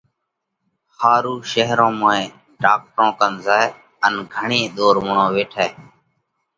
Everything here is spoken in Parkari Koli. ۿارُو شيرون موئين ڍاڪٽرون ڪنَ زائه، ان گھڻئِي ۮورووڻ ويٺئه۔۔